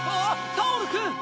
タオルくん！